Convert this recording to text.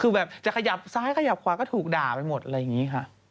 คือแบบจะขยับซ้ายขยับขวาก็ถูกด่าไปหมดอะไรอย่างนี้ค่ะ